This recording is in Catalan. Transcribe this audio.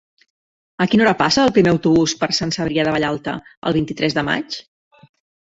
A quina hora passa el primer autobús per Sant Cebrià de Vallalta el vint-i-tres de maig?